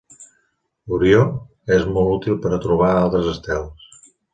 Orió és molt útil per a trobar altres estels.